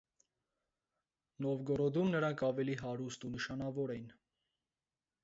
Նովգորոդում նրանք ավելի հարուստ ու նշանավոր էին։